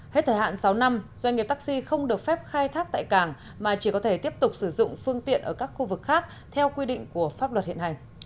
hết thời hạn sáu năm doanh nghiệp taxi không được phép khai thác tại cảng mà chỉ có thể tiếp tục sử dụng phương tiện ở các khu vực khác theo quy định của pháp luật hiện hành